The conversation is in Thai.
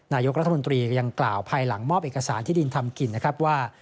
นายกรัฐมนตรียังกล่าวภายหลังมอบเอกสารที่ดินทำกินนะครับว่า